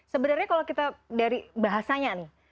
sebenarnya kalau kita dari bahasanya nih